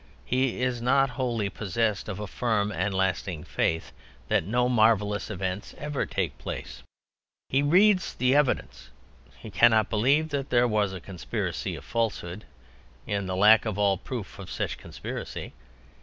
He is not wholly possessed of a firm, and lasting faith that no marvelous events ever take place. He reads the evidence. He cannot believe that there was a conspiracy of falsehood (in the lack of all proof of such conspiracy).